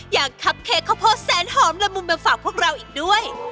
ยังคับเค้กข้าวโพดแสนหอมละมุมมาฝากพวกเราอีกด้วย